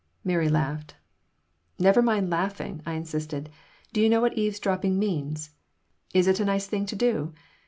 Mary laughed "Never mind laughing," I insisted. "Do you know what eavesdropping means? Is it a nice thing to do?